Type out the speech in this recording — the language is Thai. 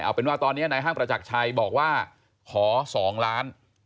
เอาเป็นว่าตอนนี้นายห้างประจักรชัยบอกว่าขอ๒ล้าน